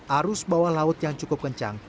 arus bawah laut yang cukup kencang